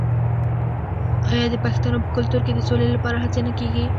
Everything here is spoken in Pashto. آیا د پښتنو په کلتور کې د سولې لپاره هڅې نه کیږي؟